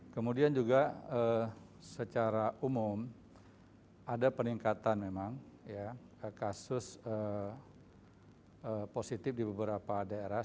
kemudian juga secara umum ada peningkatan memang kasus positif di beberapa daerah